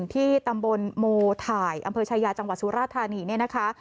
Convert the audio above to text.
ที่ตำบลโมถ่ายอำเภอชายาจังหวัดสุราธานีเนี่ยนะคะ